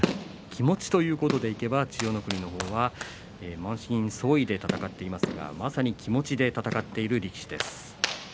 気持ちということでいえば千代の国の方は満身創いで戦っていますがまさに気持ちで戦っている力士です。